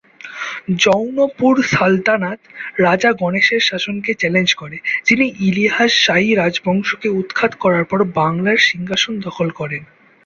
জৌনপুর সালতানাত রাজা গণেশের শাসনকে চ্যালেঞ্জ করে, যিনি ইলিয়াস শাহী রাজবংশকে উৎখাত করার পর বাংলার সিংহাসন দখল করেন।